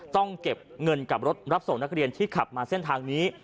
ต้องเก็บเงินกับรถรับส่งนักเรียนที่ขับมาเส้นทางนี้